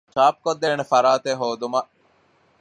ޗާޕުކޮށްދޭނެ ފަރާތެއް ހޯދުމަށް